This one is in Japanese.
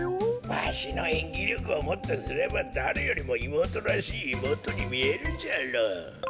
わしのえんぎりょくをもってすればだれよりもいもうとらしいいもうとにみえるじゃろう。